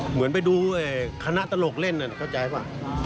เหมือนไปดูคณะตลกเล่นเข้าใจป่ะ